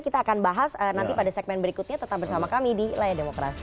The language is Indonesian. kita akan bahas nanti pada segmen berikutnya tetap bersama kami di layar demokrasi